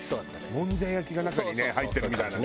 もんじゃ焼きが中にね入ってるみたいなね。